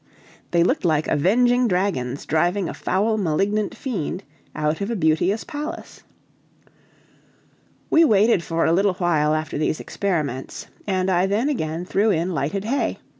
They looked like avenging dragons driving a foul, malignant fiend out of a beauteous palace. We waited for a little while after these experiments, and I then again threw in lighted hay.